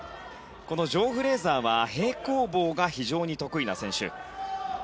このジョー・フレーザーは平行棒が非常に得意な選手。